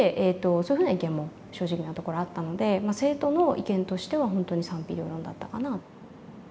そういうふうな意見も正直なところあったので生徒の意見としては本当に賛否両論だったかな。